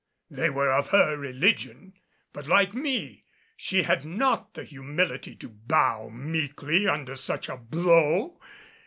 They were of her religion; but like me, she had not the humility to bow meekly under such a blow.